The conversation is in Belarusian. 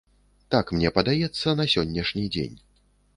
Так мне падаецца на сённяшні дзень.